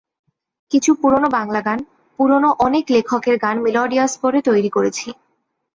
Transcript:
কিছু পুরোনো বাংলা গান, পুরোনো অনেক লেখকের গান মেলোডিয়াস করে তৈরি করেছি।